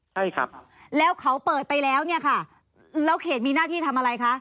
ใช่ครับแล้วเขาเปิดไปแล้วเนี่ยค่ะแล้วเขตมีหน้าที่ทำอะไรคะ